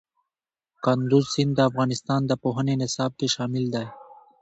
کندز سیند د افغانستان د پوهنې نصاب کې شامل دی.